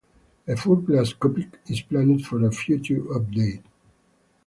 A full glass cockpit is planned for a future update.